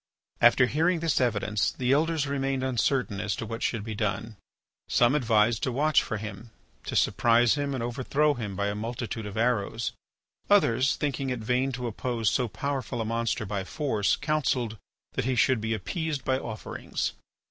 After hearing this evidence the Elders remained uncertain as to what should be done. Some advised to watch for him, to surprise him and overthrow him by a multitude of arrows. Others, thinking it vain to oppose so powerful a monster by force, counselled that he should be appeased by offerings.